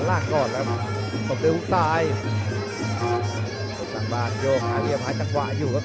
ประเทศภูมิตายทุกท่านบ้านโยงหาเรียบหาจังหวะอยู่ครับ